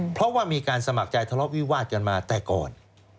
เพราะว่ามีการสมัครใจทะเลาะวิวาดกันมาแต่ก่อน